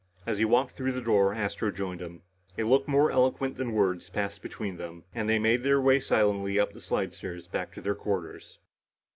As he walked through the door, Astro joined him. A look more eloquent than words passed between them and they made their way silently up the slidestairs back to their quarters.